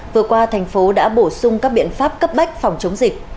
vừa qua thành phố đã bổ sung các biện pháp cấp bách phòng chống dịch